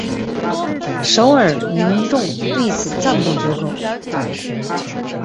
首尔民众对此赞不绝口。